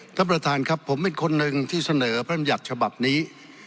ท่านประธานครับผมเป็นคนหนึ่งที่เสนอพระรำยัติฉบับนี้